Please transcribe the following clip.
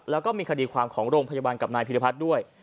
แล้วก็มีคดีความของโรงพยาบาลกับนายพิรพัฒน์ด้วย